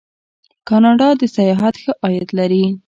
کاناډا د سیاحت ښه عاید لري.